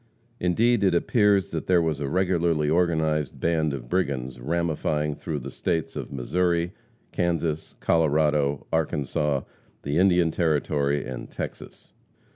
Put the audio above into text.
Indeed, it appears that there was a regularly organized band of brigands ramifying through the states of Missouri, Kansas, Colorado, Arkansas, the Indian Territory and Texas.